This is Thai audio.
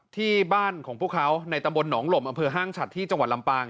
ที่บ้านของพวกเขาในตำบลหนองหลมอำเภอห้างฉัดที่จังหวัดลำปาง